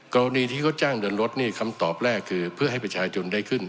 กรณีที่เขาจ้างเดินรถนี่คำตอบแรกคือเพื่อให้ประชาชนได้ขึ้น